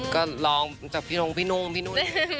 ก็ลองจากพี่นุ่งพี่นุ่งพี่นุ่ง